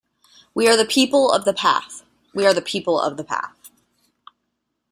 We are the people of the path; we are the people of the path.